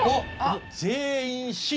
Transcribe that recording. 全員Ｃ。